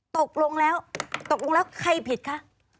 ตกลงแล้วตกลงแล้วใครผิดคะ